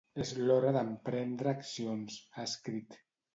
És l’hora d’emprendre accions, ha escrit.